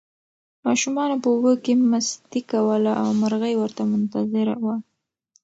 ماشومانو په اوبو کې مستي کوله او مرغۍ ورته منتظره وه.